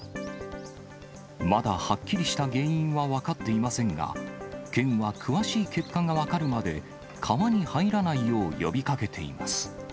まだはっきりした原因は分かっていませんが、県は詳しい結果が分かるまで、川に入らないよう呼びかけています。